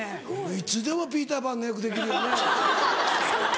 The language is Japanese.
いつでもピーター・パンの役できるよね。